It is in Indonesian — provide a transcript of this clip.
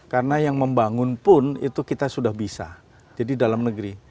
karena yang membangun pun itu kita sudah bisa jadi dalam negeri